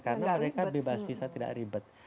karena mereka bebas visa tidak ribet